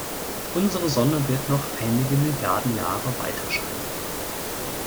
Unsere Sonne wird noch einige Milliarden Jahre weiterscheinen.